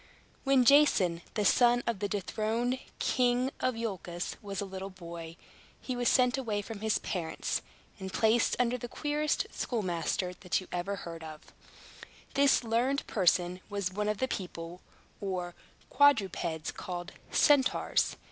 When Jason, the son of the dethroned King of Iolchos, was a little boy, he was sent away from his parents, and placed under the queerest schoolmaster that ever you heard of. This learned person was one of the people, or quadrupeds, called Centaurs.